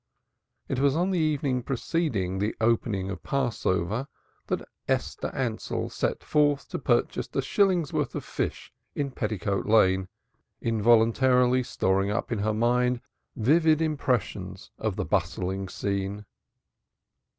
It was on the evening preceding the opening of Passover that Esther Ansell set forth to purchase a shilling's worth of fish in Petticoat Lane, involuntarily storing up in her mind vivid impressions of the bustling scene.